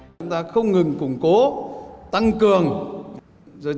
chúng ta không ngừng củng cố tăng cường